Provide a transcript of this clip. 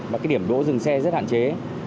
và cái điểm đỗ dừng xe rất hạn chế